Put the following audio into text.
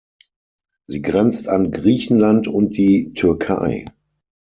Sie grenzt an Griechenland und die Türkei.